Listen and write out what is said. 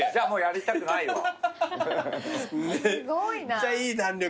めっちゃいい弾力。